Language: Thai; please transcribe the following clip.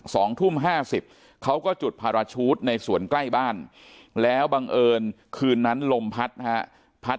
สองทุ่มห้าสิบเขาก็จุดพาราชูตในส่วนใกล้บ้านแล้วบังเอิญคืนนั้นลมพัดนะฮะพัด